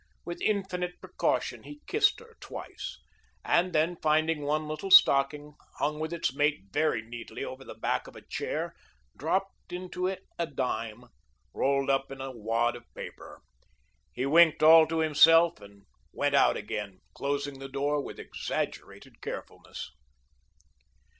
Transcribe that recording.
With infinite precaution he kissed her twice, and then finding one little stocking, hung with its mate very neatly over the back of a chair, dropped into it a dime, rolled up in a wad of paper. He winked all to himself and went out again, closing the door with exaggerated carefulness.